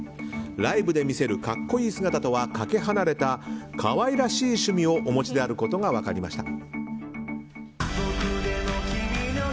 ライブで見せる格好いい姿とはかけ離れた、可愛らしい趣味をお持ちであることが分かりました。